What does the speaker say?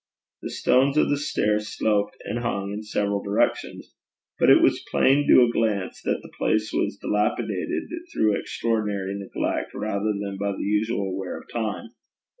The stones of the stair sloped and hung in several directions; but it was plain to a glance that the place was dilapidated through extraordinary neglect, rather than by the usual wear of time.